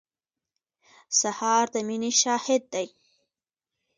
سهار د مینې شاهد دی.